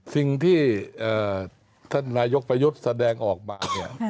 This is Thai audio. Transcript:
สิ่งที่ท่านนายกประยุทธ์แสดงออกมาเนี่ย